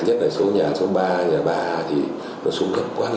nhất là số nhà số ba nhà ba thì nó xuống cấp quá nghiêm trọng